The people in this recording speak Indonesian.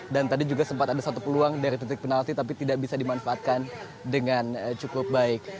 dan tadi juga sempat ada satu peluang dari titik penalti tapi tidak bisa dimanfaatkan dengan cukup baik